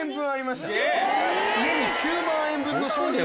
家に９万円分の商品券が。